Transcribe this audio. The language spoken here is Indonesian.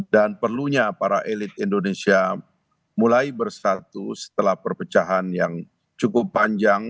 dan perlunya para elit indonesia mulai bersatu setelah perpecahan yang cukup panjang